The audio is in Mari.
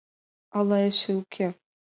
— Але эше уке...